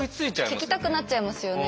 聞きたくなっちゃいますよね。